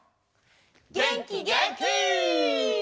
げんきげんき！